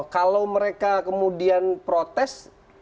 kalau mereka kemudian protes